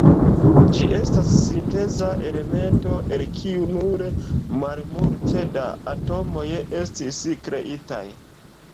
Ĝi estas sinteza elemento, el kiu nur malmulte da atomoj estis kreitaj.